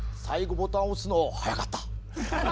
最後ボタン押すの早かった！